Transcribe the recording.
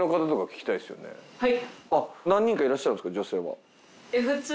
はい。